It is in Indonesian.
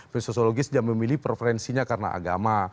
pemilih sosiologis dia memilih preferensinya karena agama